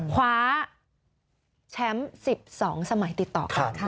คว้าแชมป์๑๒สมัยติดต่อกันค่ะ